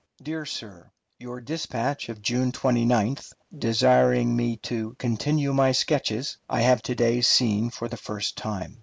DEAR SIR: Your dispatch of June 29th, desiring me to "continue my sketches," I have to day seen for the first time.